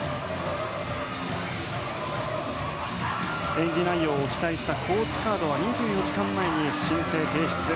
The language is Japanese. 演技内容を記載したコーチカードは２４時間前に申請、提出。